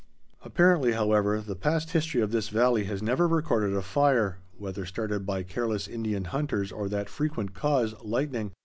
Apparently, however, the past history of this valley has never recorded a fire, whether started by careless Indian hunters or that frequent cause, lightning.